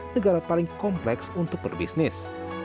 negara paling kompleks untuk berbisnis